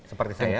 seperti saya ya